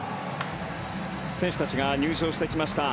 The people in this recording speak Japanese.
選手たちが入場してきました。